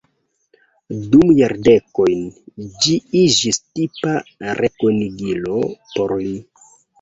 Dum jardekojn ĝi iĝis tipa rekonigilo por li.